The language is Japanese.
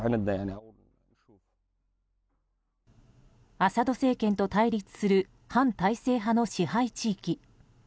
アサド政権と対立する反体制派の支配地域。